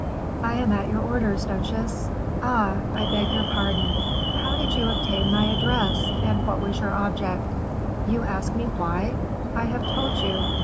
"I am at your orders, duchesse. Ah! I beg your pardon, how did you obtain my address, and what was your object?" "You ask me why? I have told you.